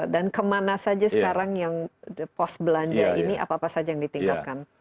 dan kemana saja sekarang yang pos belanja ini apa apa saja yang diperlukan